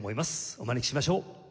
お招きしましょう。